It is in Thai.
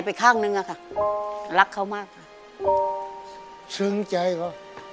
พอยืนพิงพอนานตอนเค้าก็